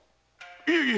いえいえ。